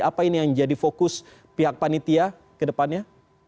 apa ini yang jadi fokus pihak panitia ke depannya